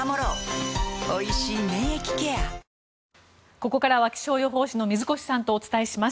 ここからは気象予報士の水越さんとお伝えします。